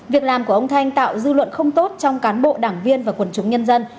việc làm của ông thanh tạo dư luận không tốt trong cán bộ đảng viên và quần chúng nhân dân